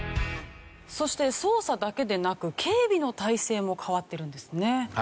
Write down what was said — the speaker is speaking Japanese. そして捜査だけでなく警備の体制も変わってるんですね。